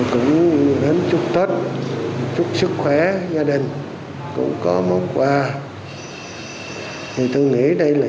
cũng hến chúc tết chúc sức khỏe gia đình cũng còn mong qua